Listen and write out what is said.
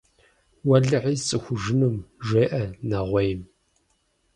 – Уэлэхьи сцӀыхужынум, – жеӀэ нэгъуейм.